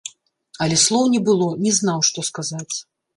Але слоў не было, не знаў, што сказаць.